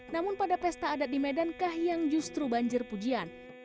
namun pada pesta adat di medan kahiyang justru banjir pujian